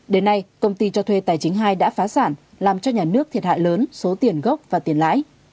đến nay công ty cho thuê tài chính hai đã phá sản làm cho nhà nước thiệt hại lớn số tiền gốc và tiền lãi